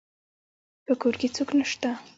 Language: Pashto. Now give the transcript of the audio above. په کور کې څوک نشته